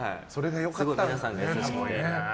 すごい皆さん、優しくて。